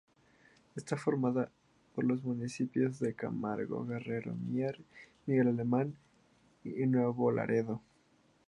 Está formado por los municipios de Camargo, Guerrero, Mier, Miguel Alemán y Nuevo Laredo.